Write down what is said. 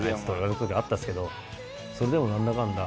それでもなんだかんだ